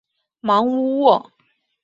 芒乌沃。